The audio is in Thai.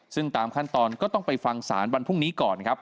ซึ่งตามขั้นตอนก็ต้องไปฟังศาลวันพรุ่งนี้ก่อนครับ